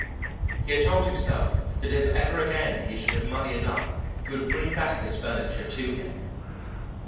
He had told himself that if ever again he should have money enough he would bring back this furniture to him.